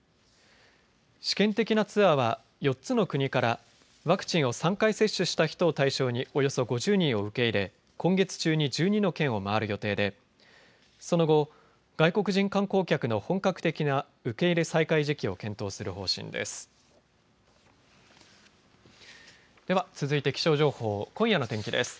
試験的なツアーは４つの国からワクチンを３回接種した人を対象におよそ５０人を受け入れ今月中に１２の県を回る予定でその後、外国人観光客の本格的な受け入れ再開時期を検討する方針です。